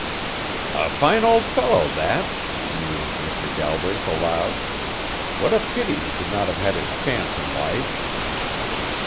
"A fine old fellow that!" mused Mr. Galbraith aloud. "What a pity he could not have had his chance in life."